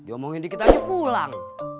omongin dikit aja pulang